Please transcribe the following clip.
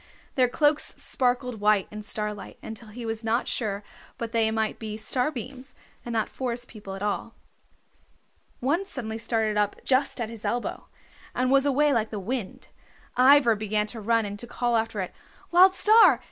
Their cloaks sparkled white in starlight until he was not sure but they might be starbeams, and not Forest People at all. One suddenly started up just at his elbow, and was away like the wind. Ivra began to run and to call after it. "Wild Star!